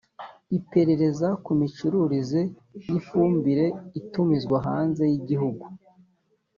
iperereza ku micururize y ifumbire itumizwa hanze y igihugu